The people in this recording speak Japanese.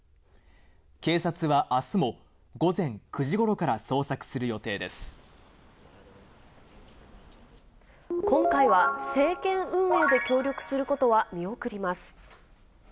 警察はあすも、午前９時ごろから今回は、政権運営で協力することは見送ります。